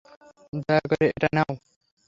দয়া করে এটা নাও।